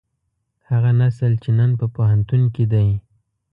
هغه نسل چې نن په پوهنتون کې دی.